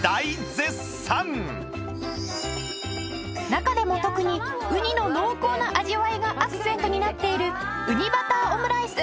中でも特にウニの濃厚な味わいがアクセントになっているうにバターオムライス